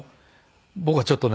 僕がちょっとね